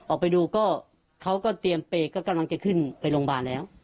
ออกไปดูก็เขาก็เตรียมเปรย์ก็กำลังจะขึ้นไปโรงพยาบาลแล้ว